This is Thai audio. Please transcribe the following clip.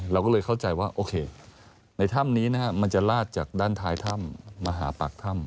เราก็เลยเข้าใจว่าโอเคในถ้ำนี้มันจะลาดจากด้านท้ายถ้ำมาหาปากถ้ำ